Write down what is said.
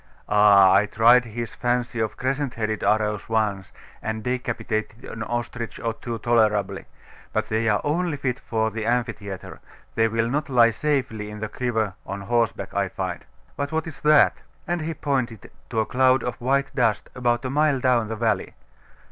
'Ah! I tried his fancy of crescent headed arrows once, and decapitated an ostrich or two tolerably: but they are only fit for the amphitheatre: they will not lie safely in the quiver on horseback, I find. But what is that?' And he pointed to a cloud of white dust, about a mile down the valley.